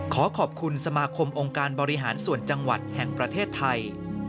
ขอขอบคุณสมาคมองค์การบริหารส่วนจังหวัดแห่งประเทศไทย